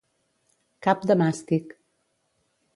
Cap de màstic.